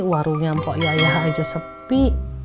warungnya mpok yayah aja sepi